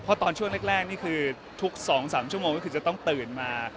เพราะตอนช่วงแรกนี่คือทุก๒๓ชั่วโมงก็คือจะต้องตื่นมา